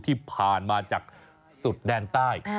ที่ผ่านมาจากสุดแดนใต้